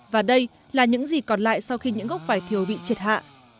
và đây là những gì còn lại sau khi những gốc vải thiểu bị chệt hạ